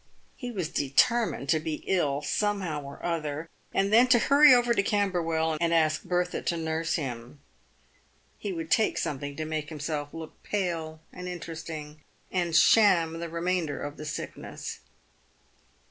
He was determined to be ill somehow or other, and then to hurry over to Camberwell and ask Bertha to nurse him. He would take something to make himself look pale and interesting, and sham the remainder of the sickness.